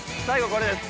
これです